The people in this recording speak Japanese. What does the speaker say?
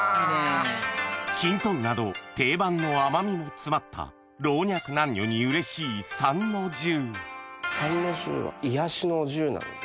きんとんなど定番の甘みも詰まった老若男女にうれしい参の重は癒やしのお重なので。